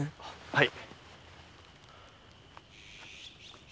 はい。